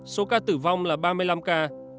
số ca tử vong là ba mươi năm ca